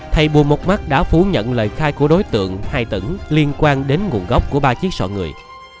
thầy bùa một mắt đã phú nhận lời khai của đối tượng hai tỉnh liên quan đến nguồn gốc của ba chiếc sọ người